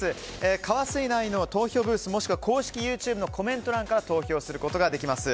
カワスイ内の投票ブースもしくは公式ＹｏｕＴｕｂｅのコメント欄から投票することができます。